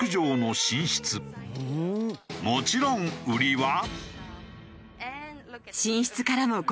もちろん売りは。